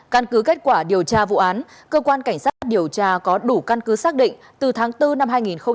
căn cứ kết quả điều tra vụ án cơ quan cảnh sát điều tra có đủ căn cứ xác định từ tháng bốn năm hai nghìn hai mươi